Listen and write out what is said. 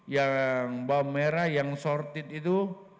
yang bawang merah yang sorted itu